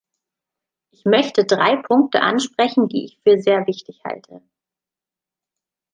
Ich möchte drei Punkte ansprechen, die ich für sehr wichtig halte.